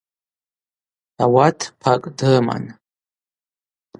Ауат пакӏ дрыман.